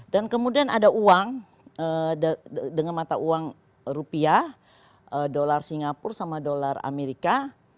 dan kemudian ada uang dengan mata uang rupiah dolar singapura sama dolar amerika